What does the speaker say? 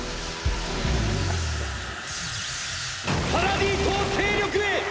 パラディ島勢力へ！！